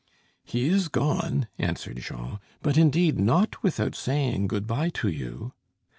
"He is gone," answered Jean, "but indeed not without saying good bye to you."